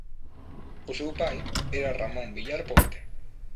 O seu pai era Ramón Villar Ponte.